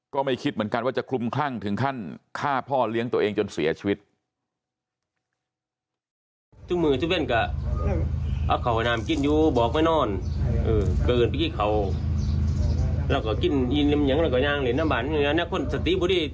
ก็ไม่คิดเหมือนกันว่าจะคลุมคลั่งถึงขั้นฆ่าพ่อเลี้ยงตัวเองจนเสียชีวิต